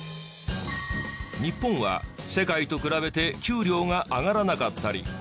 日本は世界と比べて給料が上がらなかったり。